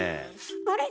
あれ？